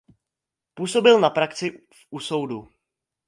Působil na praxi u soudu.